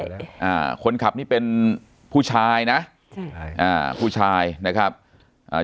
แล้วอ่าคนขับนี่เป็นผู้ชายนะใช่อ่าผู้ชายนะครับอ่า